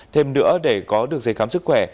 thêm nữa để có được giấy khám sức khỏe